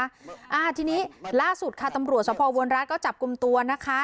อ่าทีนี้ล่าสุดค่ะตำรวจสภวรรัฐก็จับกลุ่มตัวนะคะ